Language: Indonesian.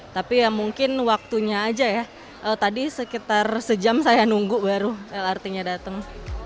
tapi ya mungkin waktunya aja ya tadi sekitar sejam saya nunggu baru lrt nya datang